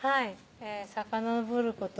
さかのぼること